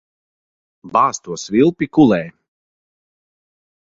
Bāz to svilpi kulē.